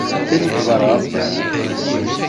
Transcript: Qqimem deg beṛṛa.